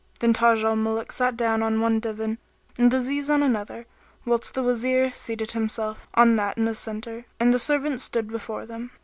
Then Taj al Muluk sat down on one divan, and Aziz on another, whilst the Wazir seated himself on that in the centre, and the servants stood before them.